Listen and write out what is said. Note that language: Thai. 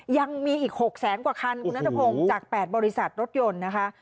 ยังมีอีก๖แสนกว่าคันคุณนัทพงศ์จาก๘บริษัทรถยนต์นะคะ